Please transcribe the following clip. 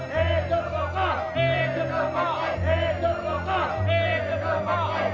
hei dokter kakak